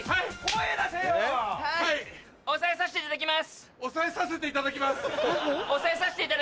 押さえさせていただきます！